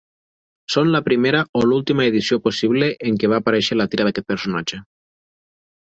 són la primera o l'última edició possible en què va aparèixer la tira d'aquest personatge.